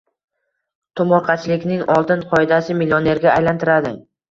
Tomorqachilikning oltin qoidasi millionerga aylantiradi